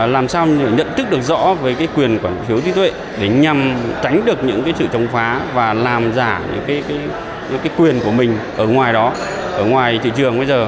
làm sao nhận thức được rõ về cái quyền quản hiếu trí tuệ để nhằm tránh được những cái sự chống phá và làm giả những cái quyền của mình ở ngoài đó ở ngoài thị trường bây giờ